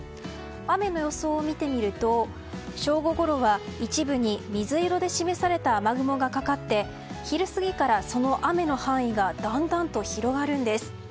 雨の予想を見てみると正午ごろは一部に水色で示された雨雲がかかって昼過ぎから、その雨の範囲がだんだんと広がるんです。